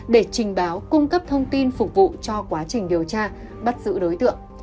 để trình báo cung cấp thông tin phục vụ cho quá trình điều tra bắt giữ đối tượng